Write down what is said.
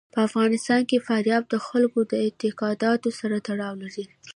په افغانستان کې فاریاب د خلکو د اعتقاداتو سره تړاو لري.